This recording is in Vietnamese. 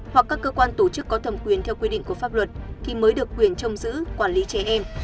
hoặc các cơ quan tổ chức có thẩm quyền theo quy định của pháp luật thì mới được quyền trong giữ quản lý trẻ em